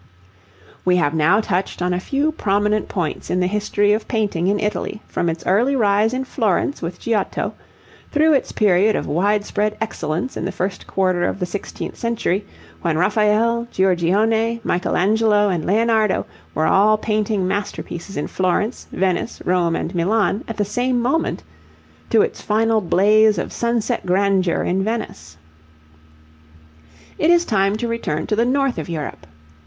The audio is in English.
We have now touched on a few prominent points in the history of painting in Italy from its early rise in Florence with Giotto; through its period of widespread excellence in the first quarter of the sixteenth century, when Raphael, Giorgione, Michelangelo, and Leonardo were all painting masterpieces in Florence, Venice, Rome, and Milan at the same moment; to its final blaze of sunset grandeur in Venice. It is time to return to the north of Europe.